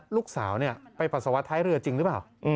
ลูกสาวไปปัสสาวะท้ายเรือจริงหรือเปล่า